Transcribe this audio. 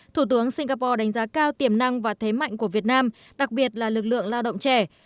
thủ tướng singapore đánh giá cao tiềm năng và thế mạnh của việt nam đặc biệt là lực lượng lao động trẻ